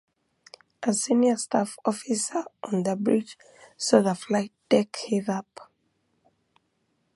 A senior staff officer on the bridge saw the flight deck heave up.